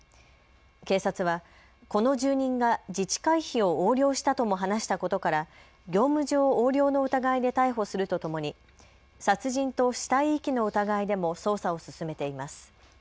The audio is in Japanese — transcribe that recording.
警察はこの住人が自治会費を横領したとも話したことから業務上横領の疑いで逮捕するとともに殺人と死体遺棄の疑いでも捜査を進めています。